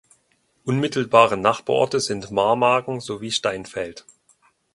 Unmittelbare Nachbarorte sind Marmagen sowie Steinfeld.